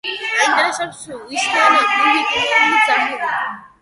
აინტერესებდათ, ვისთან მივიდოდნენ ძაღლები.